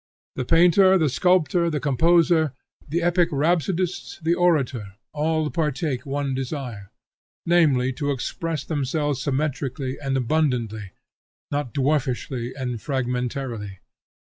The painter, the sculptor, the composer, the epic rhapsodist, the orator, all partake one desire, namely to express themselves symmetrically and abundantly, not dwarfishly and fragmentarily.